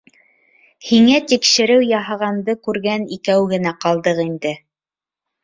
Һиңә тикшереү яһағанды күргән икәү генә ҡалдыҡ инде.